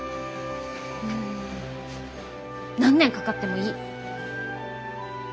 ん何年かかってもいい。